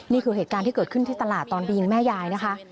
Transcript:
นี่คือเหตุการณ์ที่เกิดขึ้นที่ตลาดตอนไปยิงแม่ยายนะคะ